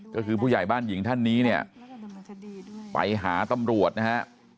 ก็คือผู้ใหญ่บ้านหญิงท่านนี้เนี่ยไปหาตำรวจนะฮะ